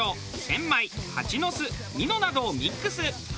センマイハチノスミノなどをミックス。